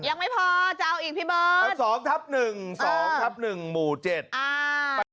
ยังไม่พอจะเอาอีกพี่เบิร์ตสองทับหนึ่งสองทับหนึ่งหมู่เจ็ดอ่า